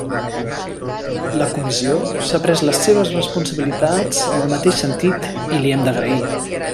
La Comissió s'ha pres les seves responsabilitats en el mateix sentit i li hem d'agrair.